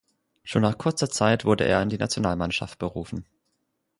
Schon nach kurzer Zeit wurde er in die Nationalmannschaft berufen.